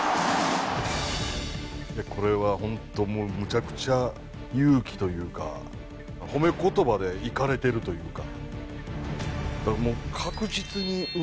これは本当もうむちゃくちゃ勇気というか褒めことばでいかれてるというか。